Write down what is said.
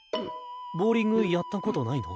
ボウリングやったことないの？